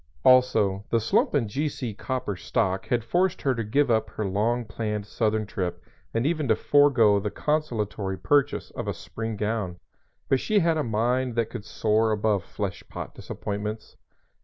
Also, the slump in G.C. Copper stock had forced her to give up her long planned southern trip and even to forego the consolatory purchase of a spring gown; but she had a mind that could soar above flesh pot disappointments.